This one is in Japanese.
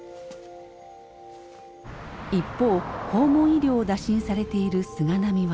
一方訪問医療を打診されている菅波は。